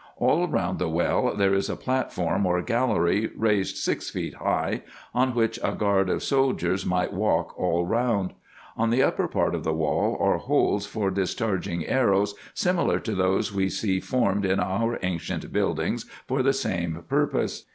All round the well there is a platform or gallery, raised six feet high, on which a guard of soldiers might walk all round. On the upper part of the wall are holes for discharging arrows, similar to those we see formed in our ancient buildings for the same purpose.